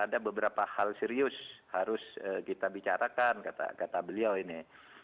ada beberapa hal serius harus kita bicarakan kata beliau ini